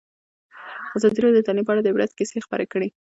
ازادي راډیو د تعلیم په اړه د عبرت کیسې خبر کړي.